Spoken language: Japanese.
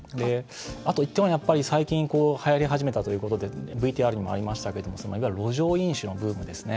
あと１点は、やっぱり最近、はやり始めたということでＶＴＲにもありましたけども路上飲酒のブームですね。